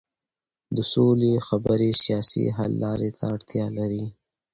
د سولې خبرې سیاسي حل لارې ته اړتیا لري